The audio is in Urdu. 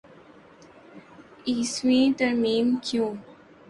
ائیسویں ترمیم کیوں؟